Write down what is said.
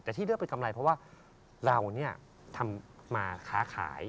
แต่ที่เลือกเป็นกำไรเพราะว่าเราทำมาค้าขาย